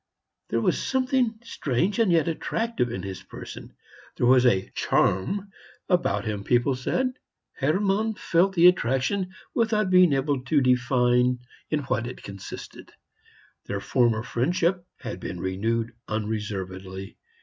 There was something strange and yet attractive in his person; there was a "charm" about him, people said. Hermann felt the attraction without being able to define in what it consisted. Their former friendship had been renewed unreservedly.